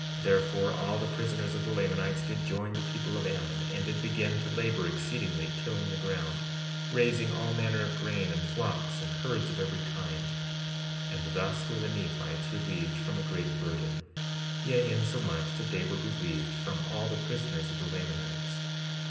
62:29 Therefore, all the prisoners of the Lamanites did join the people of Ammon, and did begin to labor exceedingly, tilling the ground, raising all manner of grain, and flocks and herds of every kind; and thus were the Nephites relieved from a great burden; yea, insomuch that they were relieved from all the prisoners of the Lamanites.